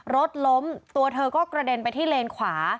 รถล้มตัวเธอก็กระเด็นไปที่เลนขวา